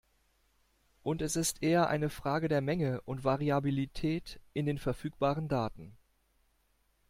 Und es ist eher eine Frage der Menge und Variabilität in den verfügbaren Daten.